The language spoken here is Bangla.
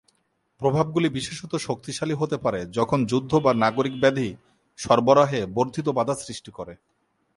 প্রভাবগুলি বিশেষত শক্তিশালী হতে পারে যখন যুদ্ধ বা নাগরিক ব্যাধি সরবরাহে বর্ধিত বাধা সৃষ্টি করে।